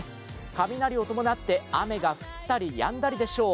雷を伴って雨が降ったりやんだりでしょう。